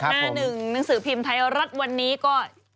หน้าหนึ่งหนังสือพิมพ์ไทยรัฐวันนี้ก็